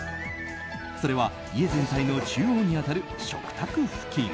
それは、家全体の中央に当たる食卓付近。